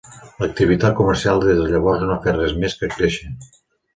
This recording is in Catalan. L'activitat comercial des de llavors no ha fet res més que créixer.